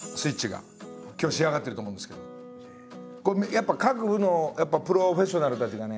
やっぱ各部のプロフェッショナルたちがね